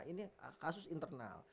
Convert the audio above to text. ini kasus internal